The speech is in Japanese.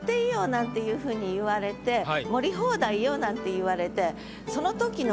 なんていうふうに言われて「盛り放題よ」なんて言われて。